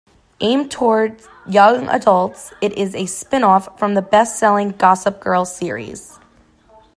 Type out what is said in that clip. Aimed toward young adults, it is a spin-off from the bestselling "Gossip Girl" series.